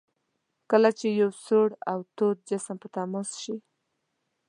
کله چې یو سوړ او تود جسم په تماس شي.